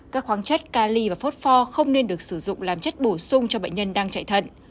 các khoáng chất cali và phốt pho không nên được sử dụng làm chất bổ sung cho bệnh nhân đang chạy thận